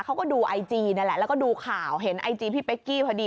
เขาก็ดูไอจีนั่นแหละแล้วก็ดูข่าวเห็นไอจีพี่เป๊กกี้พอดี